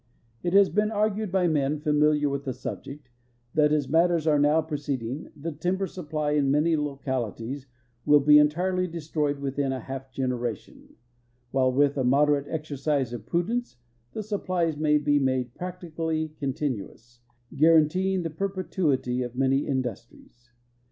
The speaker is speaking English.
It has been argued by men familiar with the subject that as matters are now proceeding the timber supply in man}' localities will be entirely destroj'ed within a half generation, while with a moderate exercise of prudence the supplies maj^be made practicall}^ continuous, guaranteeing the perpetuity of many industries.